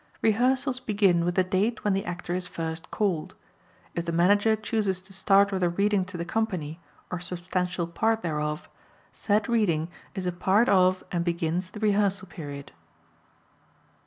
Rehearsals begin with the date when the Actor is first called. If the Manager chooses to start with a reading to the company, or substantial part thereof, said reading is a part of and begins the rehearsal period.